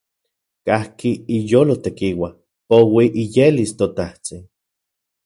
Kajki iyolo tekiua, poui iyelis ToTajtsin.